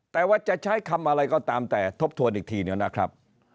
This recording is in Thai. แต่ว่าจะใช้คำอะไรก็ตามแต่ทบทวนอีกทีหนึ่งนะครับ